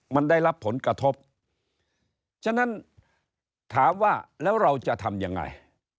มันได้รับผลกระทบฉะนั้นถามว่าแล้วเราจะทำยังไง